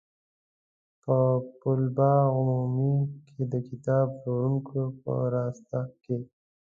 په پل باغ عمومي کې د کتاب پلورونکو په راسته کې.